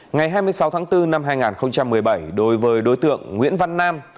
ngày hai mươi sáu tháng bốn năm hai nghìn một mươi bảy đối với đối tượng nguyễn văn nam